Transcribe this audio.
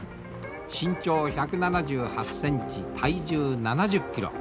身長１７８センチ体重７０キロ。